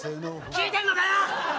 聞いてんのかよ！